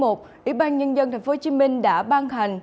ủy ban nhân dân thành phố hồ chí minh đã ban hành